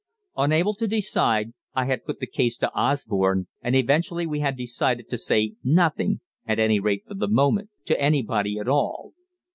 Unable to decide, I had put the case to Osborne, and eventually we had decided to say nothing, at any rate for the moment, to anybody at all.